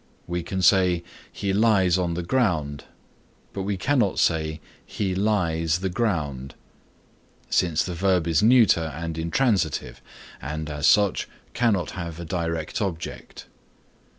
We can say "He lies on the ground," but we cannot say "He lies the ground," since the verb is neuter and intransitive and, as such, cannot have a direct object.